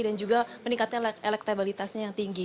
dan juga meningkatkan elektabilitasnya yang tinggi